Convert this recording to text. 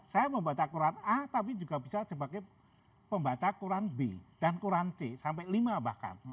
saya membaca koran a tapi juga bisa sebagai pembaca koran b dan koran c sampai lima bahkan